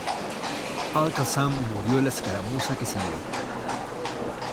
Al-Qassam murió en la escaramuza que siguió.